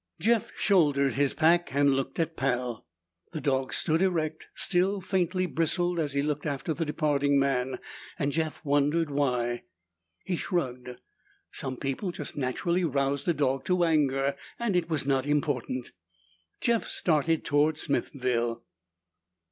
Jeff shouldered his pack and looked at Pal. The dog stood erect, still faintly bristled as he looked after the departing man and Jeff wondered why. He shrugged. Some people just naturally roused a dog to anger and it was not important. Jeff started toward Smithville.